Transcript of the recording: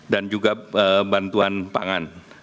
dan juga bantuan pangan